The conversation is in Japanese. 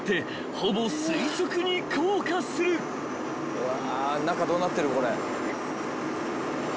うわ。